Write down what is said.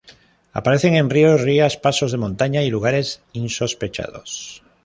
Aparecen en ríos, rías, pasos de montaña y lugares ‘insospechados’.